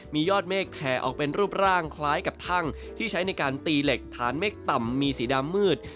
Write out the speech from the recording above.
มียอดเมฆแผ่ออกเป็นรูปร่างคล้ายกับทั่งที่ใช้ในการตีเหล็กฐานเมฆต่ำมีสีดำมืด